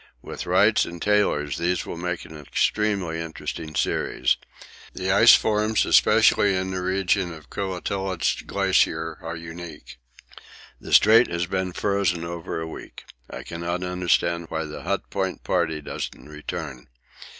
With Wright's and Taylor's these will make an extremely interesting series the ice forms especially in the region of the Koettlitz glacier are unique. The Strait has been frozen over a week. I cannot understand why the Hut Point party doesn't return.